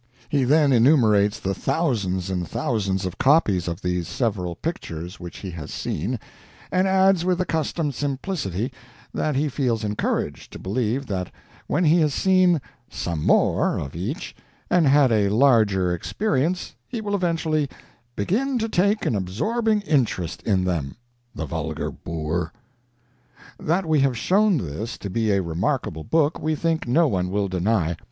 He then enumerates the thousands and thousand of copies of these several pictures which he has seen, and adds with accustomed simplicity that he feels encouraged to believe that when he has seen "Some More" of each, and had a larger experience, he will eventually "begin to take an absorbing interest in them" the vulgar boor. That we have shown this to be a remarkable book, we think no one will deny.